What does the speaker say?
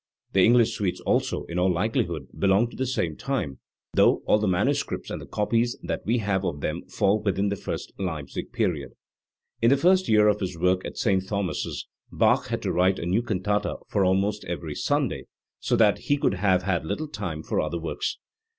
The English suites also, in all likelihood, belong to the same time, though all the manu scripts and the copies that we have of them fall within the first Leipzig period. In the first year of his work at St. Thomas's, Bach had to write a new cantata for almost every Sunday, so that he could have had little time for other works.